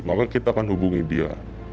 maka kita akan hubungi dia